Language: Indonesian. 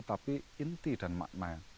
tapi inti dan makna